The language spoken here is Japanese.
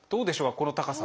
この高さ。